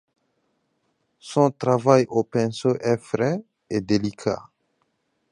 Son travail au pinceau est frais et délicat.